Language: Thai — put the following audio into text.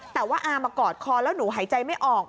แต่ว่าอามากอดคอแล้วหนูหายใจไม่ออก